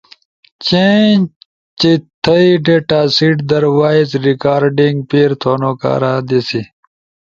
چیں چی تھئی ڈیٹاسیٹ در وائس ریکارڈنگ پیر تھونو کارا دے سی۔